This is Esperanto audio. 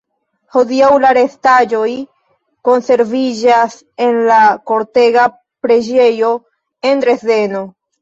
Hodiaŭ la restaĵoj konserviĝas en la Kortega preĝejo en Dresdeno.